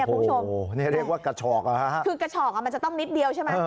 โอ้โหนี่เรียกว่ากระฉอกอ่ะฮะคือกระฉอกอ่ะมันจะต้องนิดเดียวใช่ไหม